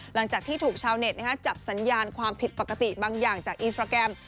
หลังจากที่ถูกชาวเน็ตจับสัญญาณความผิดปกติบางอย่างจากอินสตราแกรม